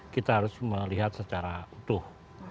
kita harus melihat secara utuh